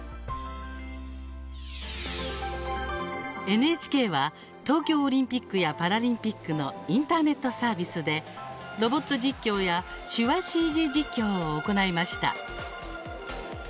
ＮＨＫは、東京オリンピックやパラリンピックのインターネットサービスでロボット実況や手話ＣＧ実況を行いました。